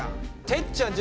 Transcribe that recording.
てっちゃん